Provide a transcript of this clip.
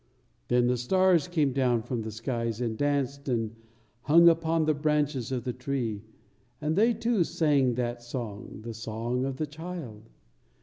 Then the stars came down from the skies and danced and hung upon the branches of the tree, and they, too, sang that song, the song of the Child.